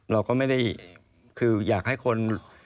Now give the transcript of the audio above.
เราก็ไม่ได้คืออยากให้คน